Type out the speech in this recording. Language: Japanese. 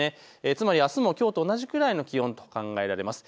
つまり、あすもきょうと同じくらいの気温と考えられます。